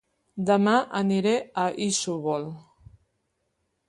Dema aniré a Isòvol